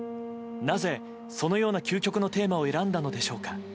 なぜ、そのような究極のテーマを選んだのでしょうか。